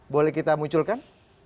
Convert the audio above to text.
boleh kita munculkan